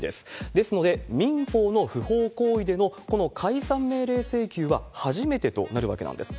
ですので、民法の不法行為でのこの解散命令請求は初めてとなるわけなんです。